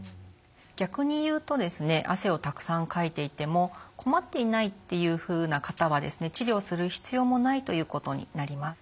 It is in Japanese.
逆に言うと汗をたくさんかいていても困っていないっていうふうな方は治療する必要もないということになります。